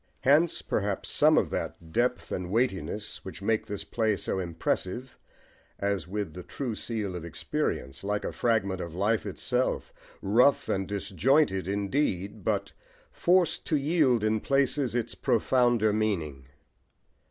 Hence perhaps some of that depth and weightiness which make this play so impressive, as with the true seal of experience, like a fragment of life itself, rough and disjointed indeed, but forced to yield in places its profounder meaning.